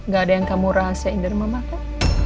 gak ada yang kamu rahasiain dari mama kok